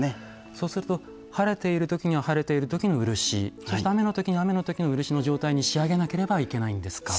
そうすると晴れている時には晴れている時の漆そして雨の時には雨の時の漆の状態に仕上げなければいけないんですか。